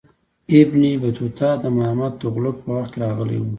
ابن بطوطه د محمد تغلق په وخت کې راغلی و.